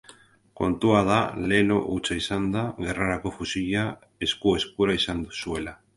Kontua da lelo hutsa izanda, gerrarako fusila esku-eskura izan zuela.